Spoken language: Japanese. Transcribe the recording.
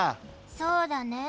そうだね。